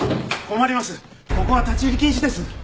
ここは立ち入り禁止です！